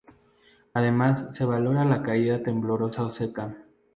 Además se valora la caída, temblorosa o seca.